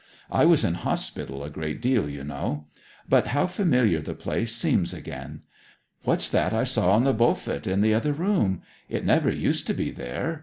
I was in hospital a great while, you know. But how familiar the place seems again! What's that I saw on the beaufet in the other room? It never used to be there.